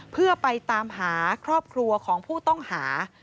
เพื่อไปตามหาครอบครัวของผู้ต้องหา